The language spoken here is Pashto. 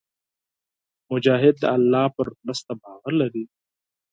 مجاهد د الله پر مرسته باور لري.